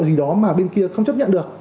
gì đó mà bên kia không chấp nhận được